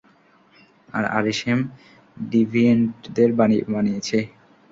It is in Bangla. আর আরিশেম ডিভিয়েন্টদের বানিয়েছে।